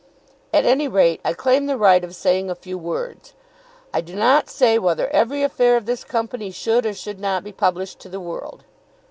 "At any rate I claim the right of saying a few words. I do not say whether every affair of this Company should or should not be published to the world."